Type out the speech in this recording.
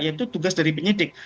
itu tugas dari penyidik